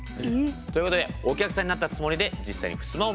ということでお客さんになったつもりで実際にふすまを見てみましょう。